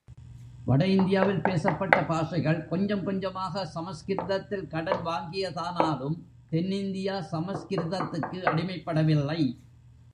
வட இந்தியாவில் பேசப்பட்ட பாஷைகள் கொஞ்சம் கொஞ்சமாக சமஸ்கிருதத்தில் கடன் வாங்கியதானாலும், தென் இந்தியா சமஸ்கிருதத்துக்கு அடிமைப்படவில்லை.